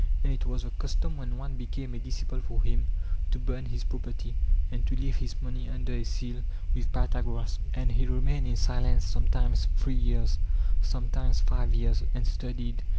And it was the custom when one became a disciple for him to burn his property and to leave his money under a seal with Pythagoras, and he remained in silence sometimes three years, sometimes five years, and studied.